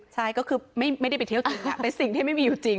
ใช่ก็คือไม่ได้ไปที่ที่สิ่งที่ไม่มีอยู่จริง